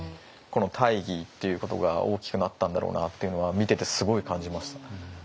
この大義っていうことが大きくなったんだろうなっていうのは見ててすごい感じました。